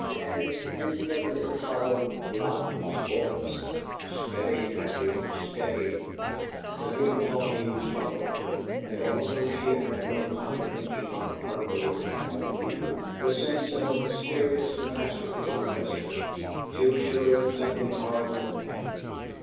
And, instantly, followed Louden's voice: "STEADY, HAPPY, STEADY!" The name "Claudine" startled her; and although she had had no comprehension of the argot of Happy Fear, the sense of a mysterious catastrophe oppressed her; she was sure that something horrible had happened.